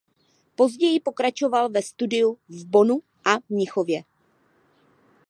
Později pokračovala ve studiu v Bonnu a Mnichově.